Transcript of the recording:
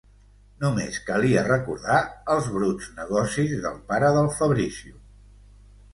Només calia recordar els bruts negocis del pare del Fabrizio...